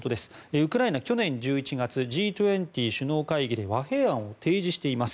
ウクライナ、去年１１月Ｇ２０首脳会議で和平案を提示しています。